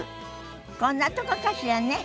こんなとこかしらね。